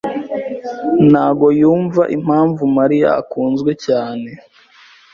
ntabwo yumva impamvu Mariya akunzwe cyane.